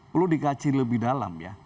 perlu dikaji lebih dalam ya